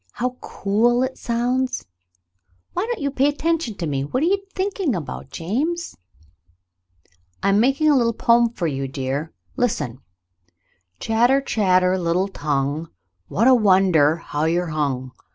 How cool it sounds ! Why don't you pay attention to me ? What are you thinking about, James ?" "I am making a little poem for you, dear. Listen :—" Chatter, chatter, little tongue. What a wonder how you're hung